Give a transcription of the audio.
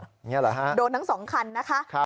อย่างนี้หรือฮะโดนทั้ง๒คันนะคะครับ